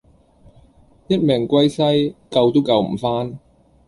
一命歸西，救都救唔返